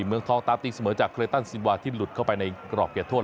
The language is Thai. เมืองทองตามติดเสมอจากเคเลตันซิลวาที่หลุดเข้าไปในกรอบเกียรติธวรรม